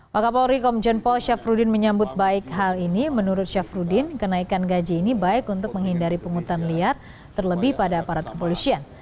pak kapolri komjen paul syafruddin menyambut baik hal ini menurut syafruddin kenaikan gaji ini baik untuk menghindari penghutan liar terlebih pada aparat kepolisian